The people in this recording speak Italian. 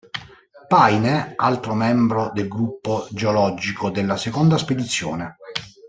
Paine, altro membro del gruppo geologico della seconda spedizione.